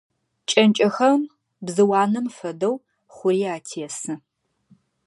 Кӏэнкӏэхэм, бзыу анэм фэдэу, хъури атесы.